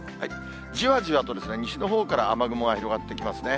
じわじわと西のほうから雨雲が広がってきますね。